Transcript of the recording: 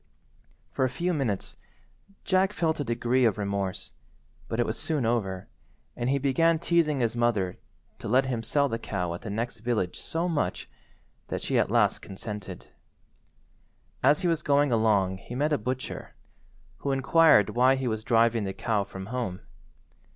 For a few minutes Jack felt a degree of remorse, but it was soon over, and he began teasing his mother to let him sell the cow at the next village so much, that she at last consented. As he was going along he met a butcher, who inquired why he was driving the cow from home.